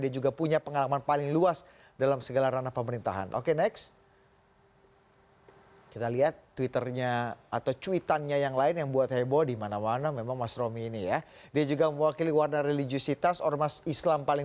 jelang penutupan pendaftaran